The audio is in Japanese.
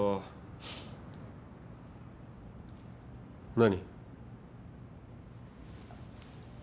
何？